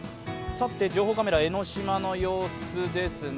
情報カメラ江の島の様子ですね。